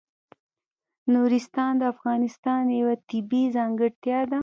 نورستان د افغانستان یوه طبیعي ځانګړتیا ده.